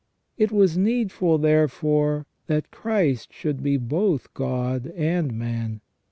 It was needful, therefore, that Christ should be both God and man.